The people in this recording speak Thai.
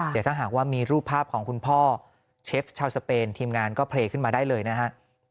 เดี๋ยวถ้าหากว่ามีรูปภาพของคุณพ่อเชฟชาวสเปนทีมงานก็เพลย์ขึ้นมาได้เลยนะฮะ